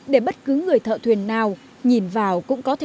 để bất cứ người thợ thuyền nào nhìn vào cũng có thể nhìn thấy